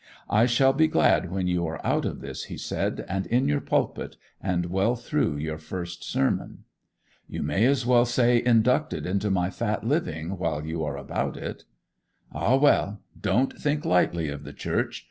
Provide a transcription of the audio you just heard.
'I shall be glad when you are out of this,' he said, 'and in your pulpit, and well through your first sermon.' 'You may as well say inducted into my fat living, while you are about it.' 'Ah, well—don't think lightly of the Church.